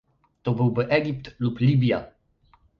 To byłby Egipt lub Libia